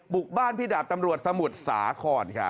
บ้านพี่ดาบตำรวจสมุทรสาครครับ